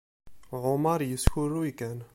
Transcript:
Ɛumaṛ yeskurruy kan.